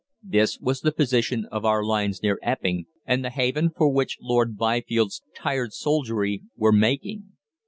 This was the position of our lines near Epping, and the haven for which Lord Byfield's tired soldiery were making.